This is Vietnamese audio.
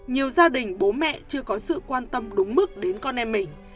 nhiều gia đình bố mẹ chưa có sự quan tâm đúng mức đến con em mình